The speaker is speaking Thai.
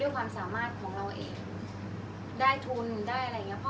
อันไหนที่มันไม่จริงแล้วอาจารย์อยากพูด